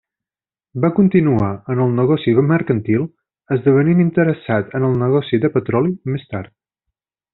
Va continuar en el negoci mercantil, esdevenint interessat en el negoci de petroli més tard.